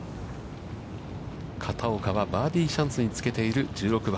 片岡はバーディーチャンスにつけている１６番。